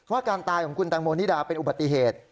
การตายของคุณแตงโมนิดาเป็นอุบัติเหตุ